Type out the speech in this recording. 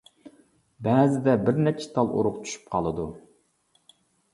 بەزىدە بىر نەچچە تال ئۇرۇق چۈشۈپ قالىدۇ.